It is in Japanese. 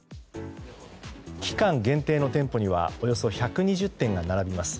期間限定の店舗にはおよそ１２０点が並びます。